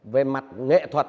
về mặt nghệ thuật